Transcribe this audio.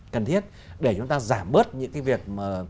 cần thiết để chúng ta giảm bớt những cái việc mà